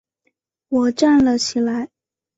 我站了起来